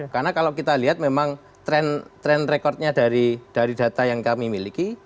karena kalau kita lihat memang tren rekordnya dari data yang kami miliki